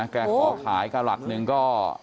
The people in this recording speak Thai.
แกขอขายกรัตหนึ่งก็